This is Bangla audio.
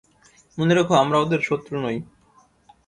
মনে রেখো, আমরা ওদের শত্রু নই।